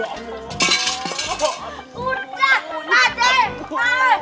aduh ya allah